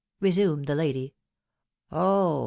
" resumed the lady. "Oh!